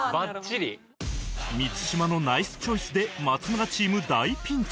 満島のナイスチョイスで松村チーム大ピンチ